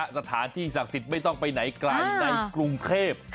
สถานที่ศักดิ์สิทธิ์ไม่ต้องไปไหนไกลในกรุงเทพ